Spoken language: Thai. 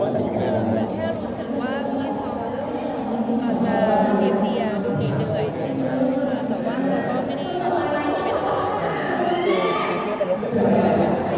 แล้วก็คิดว่าน่าจะเป็นเรื่องรักทุกคนมีความรักทุกคน